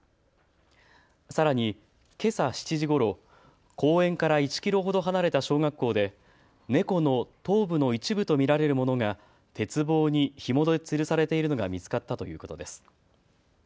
さらに、けさ７時ごろ、公園から１キロほど離れた小学校で猫の頭部の一部と見られるものが鉄棒にひもでつるされているのが見つかったということです。